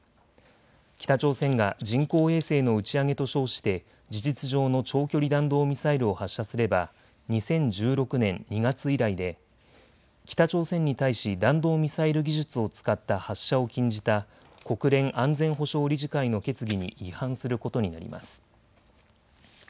北朝鮮が人工衛星の打ち上げと称して事実上の長距離弾道ミサイルを発射すれば２０１６年２月以来で北朝鮮に対し弾道ミサイル技術を使った発射を禁じた国連安全保障理事会の決議に違反することになります。